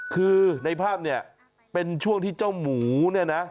คือในภาพเนี่ยเป็นช่วงที่เจ้าหมูเนี่ยนะ